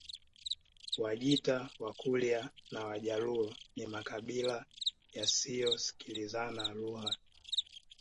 Wajita Wakurya na Wajaluo ni makabila yasiyosikilizana lugha